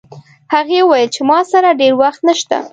هغې وویل چې ما سره ډېر وخت نشته